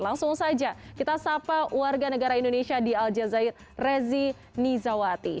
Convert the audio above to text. langsung saja kita sapa warga negara indonesia di al jazair rezi nizawati